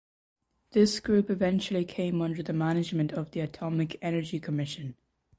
This group eventually came under the management of the Atomic Energy Commission.